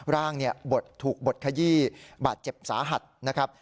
ร่างถูกบดขยี้บาดเจ็บสาหัสนะครับ